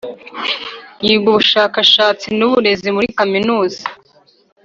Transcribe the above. Yiga ubushakashatsi n uburezi muri Kaminuza